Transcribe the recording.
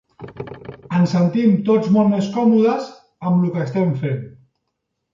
Ens sentim tots molt més còmodes amb lo que estem fent.